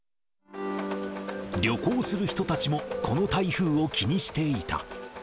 旅行する人たちもこの台風を気にしていた。